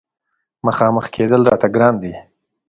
مخامخ کېدل راته ګرانه دي.